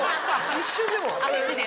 一瞬でも！